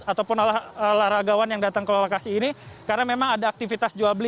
ataupun olahragawan yang datang ke lokasi ini karena memang ada aktivitas jual beli